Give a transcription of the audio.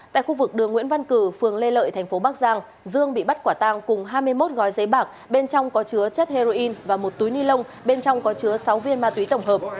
tại khu vực đường nguyễn văn cử phường lê lợi thành phố bắc giang dương bị bắt quả tang cùng hai mươi một gói giấy bạc bên trong có chứa chất heroin và một túi ni lông bên trong có chứa sáu viên ma túy tổng hợp